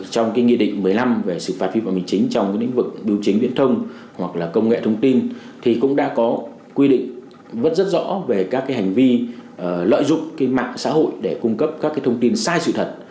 trong cái nghị định một mươi năm về sự phạt vi phạm chính trong cái ninh vực điều chính viễn thông hoặc là công nghệ thông tin thì cũng đã có quy định vất rất rõ về các cái hành vi lợi dụng cái mạng xã hội để cung cấp các cái thông tin sai sự thật